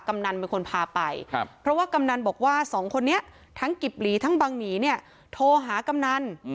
กำนันเป็นคนพาไปเพราะว่ากำนันบอกว่าสองคนนี้ทั้งกิบหลีทั้งบังหนีเนี่ยโทรหากำนัน